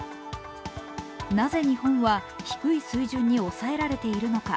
なぜ日本は低い水準に抑えられているのか。